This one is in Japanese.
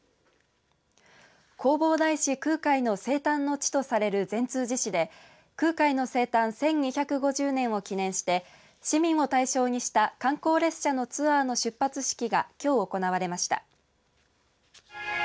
弘法大師空海の生誕の地とされる善通寺市で空海の生誕１２５０年を記念して市民を対象にした観光列車のツアーの出発式がきょう行われました。